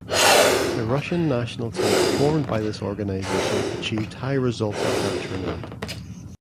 The Russian national team formed by this organization achieved high results at that tournament.